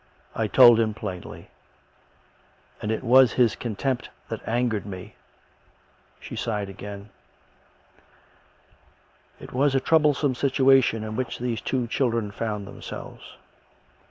I told him plainly. And it was his contempt that angered me." She sighed again. It was a troublesome situation in which these two chil dren found themselves.